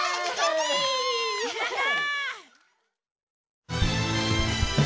やった！